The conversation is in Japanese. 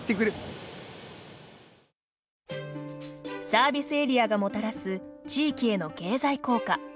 サービスエリアがもたらす地域への経済効果。